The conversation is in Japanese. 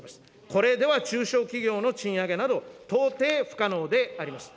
これでは中小企業の賃上げなど到底不可能であります。